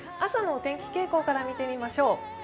朝のお天気傾向から見てみましょう。